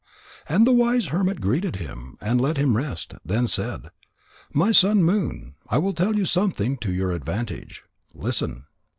And the wise hermit greeted him and let him rest, then said: "My son Moon, I will tell you something to your advantage. Listen.